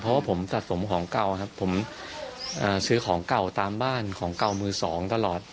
เพราะว่าผมสะสมของเก่าครับผมซื้อของเก่าตามบ้านของเก่ามือสองตลอด